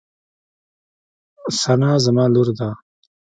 ثنا زما لور ده.